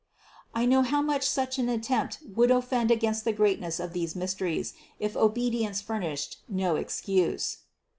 I know how much such an attempt would offend against the greatness of these mysteries, if obedience furnished no excuse.